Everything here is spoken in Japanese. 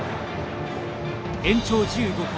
延長１５回。